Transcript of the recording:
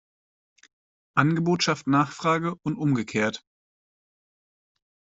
Angebot schafft Nachfrage und umgekehrt.